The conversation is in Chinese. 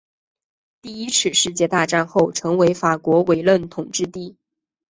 第一次世界大战后成为法国委任统治地。